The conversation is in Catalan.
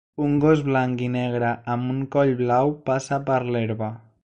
Un gos blanc i negre amb un coll blau passa per l'herba.